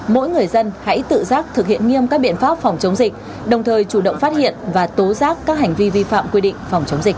mỗi người dân hãy tự giác thực hiện nghiêm các biện pháp phòng chống dịch đồng thời chủ động phát hiện và tố giác các hành vi vi phạm quy định phòng chống dịch